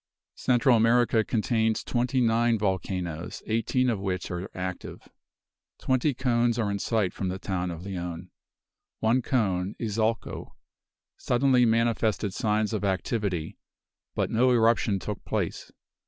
Central America contains twenty nine volcanoes, eighteen of which are active. Twenty cones are in sight from the town of Leon. One cone, Izalco, suddenly manifested signs of activity, but no eruption took place.